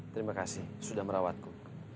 terima kasih sudah merawatku